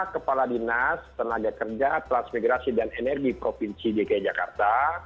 kepala dinas tenaga kerja transmigrasi dan energi provinsi dki jakarta